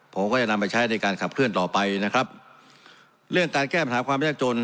ผมก็จะนำไปใช้ในการขับเคลื่อนต่อไปนะครับเรื่องการแก้ปัญหาความยากจน